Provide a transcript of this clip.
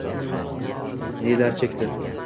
Nelar chekdi